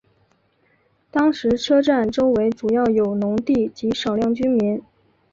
当时车站周围主要有农地及少量民居。